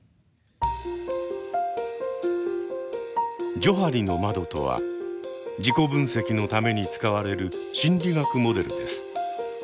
「ジョハリの窓」とは自己分析のために使われる心理学モデルです。